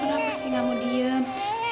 kenapa sih gak mau diem